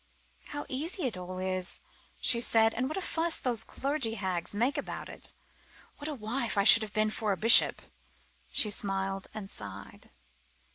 "How easy it all is," she said, "and what a fuss those clergy hags make about it! What a wife I should be for a bishop!" She smiled and sighed.